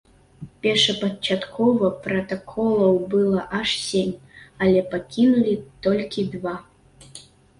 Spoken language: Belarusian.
Першапачаткова пратаколаў было аж сем, але пакінулі толькі два.